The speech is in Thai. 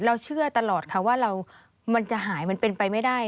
เชื่อตลอดค่ะว่ามันจะหายมันเป็นไปไม่ได้